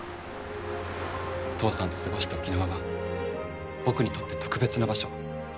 父さんと過ごした沖縄は僕にとって特別な場所。